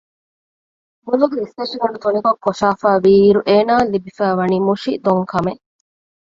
ބޮލުގެ އިސްތަށިގަނޑު ތުނިކޮށް ކޮށާފައިވީއިރު އޭނާއަށް ލިބިފައިވަނީ މުށި ދޮންކަމެއް